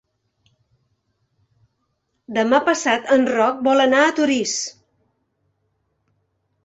Demà passat en Roc vol anar a Torís.